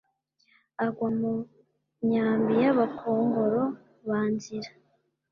agwa mu myambi y'abakongoro ba nzira.